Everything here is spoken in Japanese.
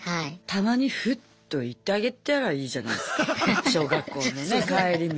たまにフッと行ってあげたらいいじゃないすか小学校のね帰り道。